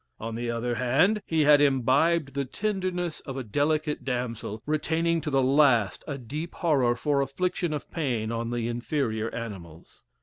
On the other hand, he had imbibed the tenderness of a delicate damsel, retaining to the last a deep horror for affliction pain on the inferior animals.